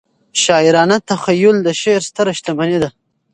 شاعرانه تخیل د شعر ستره شتمنۍ ده.